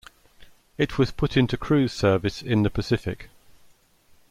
It was put into cruise service in the Pacific.